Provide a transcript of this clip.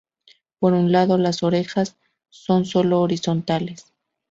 Por un lado, las orejas son sólo horizontales.